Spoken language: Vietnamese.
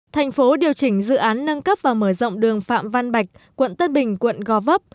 thành phố điều chỉnh dự án nâng cấp và mở rộng đường phạm văn bạch quận tân bình quận gò vấp